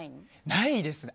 ないですね。